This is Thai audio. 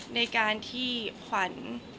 ในการที่ขวัญ